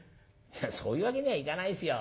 「そういうわけにはいかないですよ。